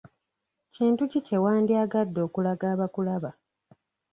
Kintu ki kye wandyagadde okulaga abakulaba?